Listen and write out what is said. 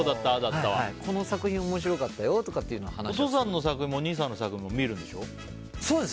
この作品面白かったよとかっていうのはお父さんの作品もお兄さんの作品も見るんでしょ？